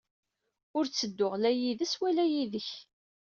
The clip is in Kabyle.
Ur ttedduɣ la yid-s wala yid-k.